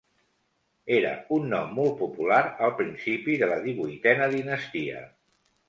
Era un nom molt popular al principi de la divuitena dinastia.